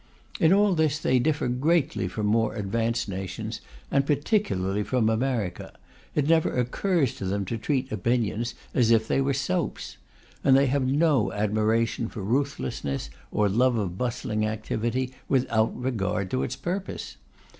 In all this they differ greatly from more advanced nations, and particularly from America; it never occurs to them to treat opinions as if they were soaps. And they have no admiration for ruthlessness, or love of bustling activity without regard to its purpose.